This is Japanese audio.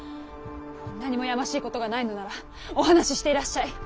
何もやましいことがないのならお話ししていらっしゃい。